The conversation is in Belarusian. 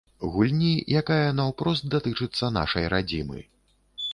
Гульні, якая наўпрост датычыцца нашай радзімы.